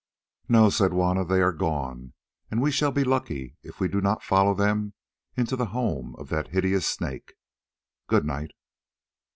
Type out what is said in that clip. "No," said Juanna, "they are gone, and we shall be lucky if we do not follow them into the home of that hideous snake. Good night."